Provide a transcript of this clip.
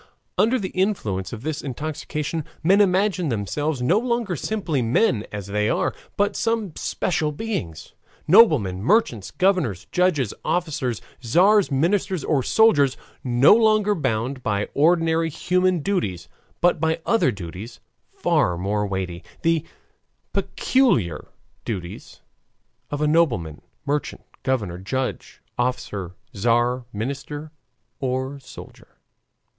Under the influence of this intoxication, men imagine themselves no longer simply men as they are, but some special beings noblemen, merchants, governors, judges, officers, tzars, ministers, or soldiers no longer bound by ordinary human duties, but by other duties far more weighty the peculiar duties of a nobleman, merchant, governor, judge, officer, tzar, minister, or soldier.